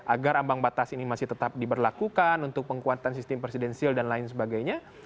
agar ambang batas ini masih tetap diberlakukan untuk penguatan sistem presidensil dan lain sebagainya